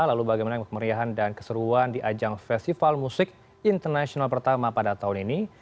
lalu bagaimana kemeriahan dan keseruan di ajang festival musik internasional pertama pada tahun ini